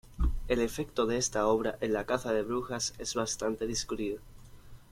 El efecto de esta obra en la caza de brujas es bastante discutido.